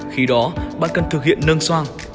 khi đó bạn cần thực hiện nâng xoang